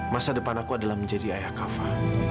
masa depan aku adalah menjadi ayah kava